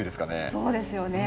そうですよね。